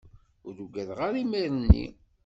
Ur ugadeɣ ara imir-nni.